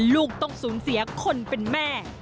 ลูกต้องสูญเสียคนเป็นแม่